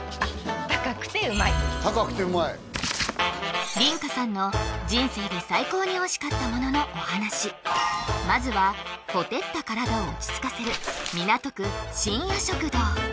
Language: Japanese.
高くてうまい「高くてうまい」梨花さんの人生で最高においしかったもののお話まずはほてった体を落ち着かせる港区深夜食堂